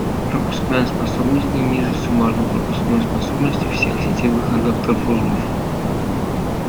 Пропускная способность не ниже суммарной пропускной способности всех сетевых адаптеров узлов